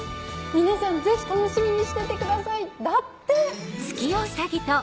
皆さんぜひ楽しみにしててください」だって！